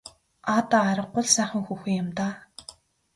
Аа даа аргагүй л сайхан хүүхэн юм даа.